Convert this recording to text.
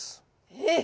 えっ！